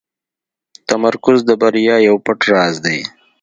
تمرکز د بریا یو پټ راز دی.